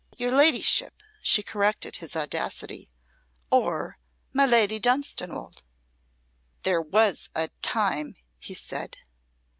"'Your ladyship!'" she corrected his audacity. "Or 'my Lady Dunstanwolde.'" "There was a time" he said.